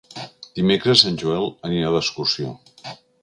Dimecres en Joel anirà d'excursió.